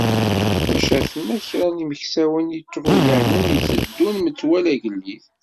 Maca aten-a kra n yimeksawen iṭruyanen i iteddun metwal agellid.